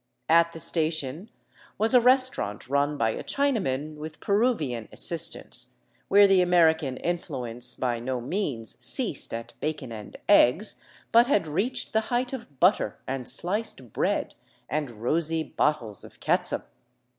At the station was a restaurant run by a Chinaman with Peruvian assistance, where the American influence by no means ceased at bacon and eggs, but had reached the height of butter and sliced bread, and rosy bottles of catsup